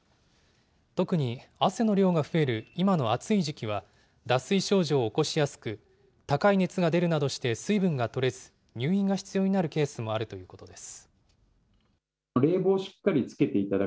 特に汗の量が増える今の暑い時期は、脱水症状を起こしやすく、高い熱が出るなどして水分がとれず、入院が必要になるケースもあるということです。